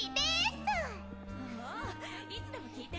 ああいつでも聞いて！